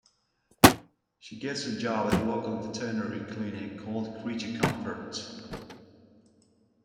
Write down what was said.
She gets a job at a local veterinary clinic called Creature Comforts.